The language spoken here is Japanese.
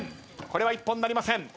これは一本なりません。